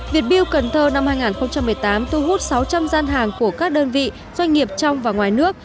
việt build cần thơ năm hai nghìn một mươi tám thu hút sáu trăm linh gian hàng của các đơn vị doanh nghiệp trong và ngoài nước